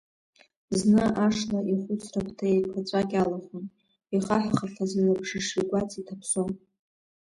Зны ашла ихәыцра-ԥҭа еиқәаҵәак иалахон, ихаҳәхахьаз илабжыш игәаҵа иҭаԥсон.